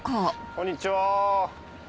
こんにちは！